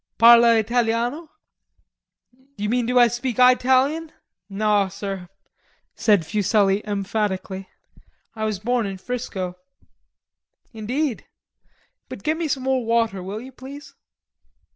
"Parla Italiano?" "You mean, do I speak Eyetalian? Naw, sir," said Fuselli emphatically, "I was born in Frisco." "Indeed? But get me some more water, will you, please?"